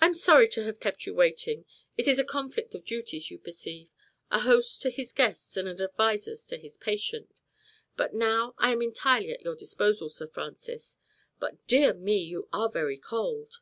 "I am sorry to have kept you waiting. It is a conflict of duties, you perceive a host's to his guests and an adviser's to his patient. But now I am entirely at your disposal, Sir Francis. But dear me, you are very cold."